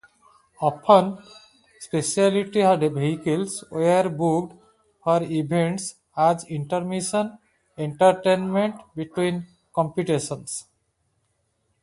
Often, specialty vehicles were booked for events as intermission entertainment between competitions.